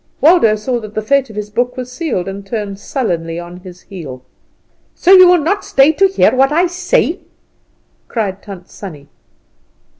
Waldo saw that the fate of his book was sealed, and turned sullenly on his heel. "So you will not stay to hear what I say!" cried Tant Sannie.